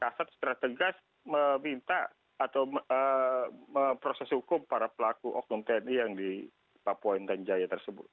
kasat secara tegas meminta atau memproses hukum para pelaku oknum tni yang di papua intan jaya tersebut